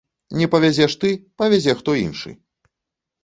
Не павязеш ты, павязе хто іншы!